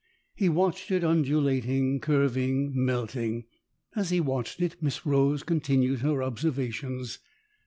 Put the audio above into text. He watched it undulating, curving, melting. As he watched it Miss Rose continued her observations.